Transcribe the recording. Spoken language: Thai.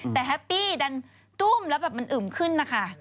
แต่แฮปปี้ดันตุ้มแล้วแบบมันอึมขึ้นนะคะ